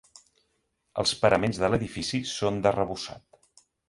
Els paraments de l'edifici són d'arrebossat.